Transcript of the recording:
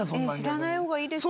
知らない方がいいですよ。